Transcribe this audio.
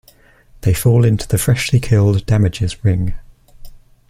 They fall into the freshly killed Damage's ring.